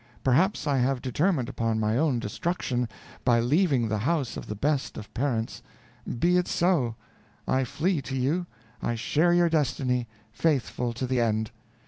Perhaps I have determined upon my own destruction, by leaving the house of the best of parents; be it so; I flee to you; I share your destiny, faithful to the end.